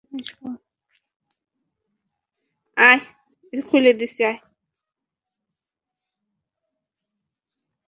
আরে পাপ্পু জানিস, - বল।